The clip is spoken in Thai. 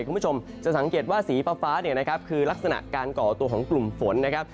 คุณผู้ชมจะสังเกตว่าสีฟ้าเนี่ยนะครับคือลักษณะการก่อตัวของกลุ่มฝนนะครับ